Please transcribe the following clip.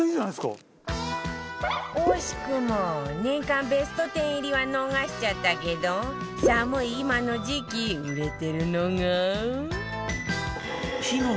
惜しくも年間ベスト１０入りは逃しちゃったけど寒い今の時期売れてるのが